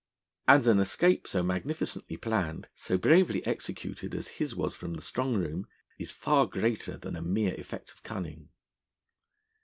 And an escape so magnificently planned, so bravely executed as was his from the Strong Room, is far greater than a mere effect of cunning.